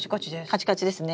カチカチですね。